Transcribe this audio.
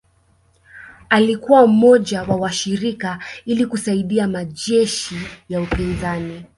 Alikuwa mmoja wa washiriki ili kusaidia majeshi ya upinzani